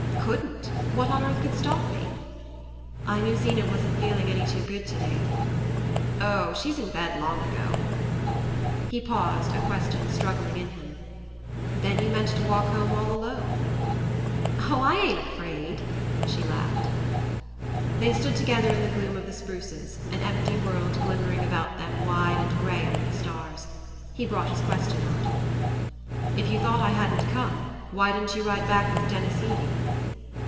"Couldn't? What on earth could stop me?" "I knew Zeena wasn't feeling any too good to day." "Oh, she's in bed long ago." He paused, a question struggling in him. "Then you meant to walk home all alone?" "Oh, I ain't afraid!" she laughed. They stood together in the gloom of the spruces, an empty world glimmering about them wide and grey under the stars. He brought his question out. "If you thought I hadn't come, why didn't you ride back with Denis Eady?"